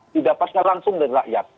didapatkan langsung dari rakyat